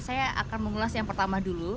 saya akan mengulas yang pertama dulu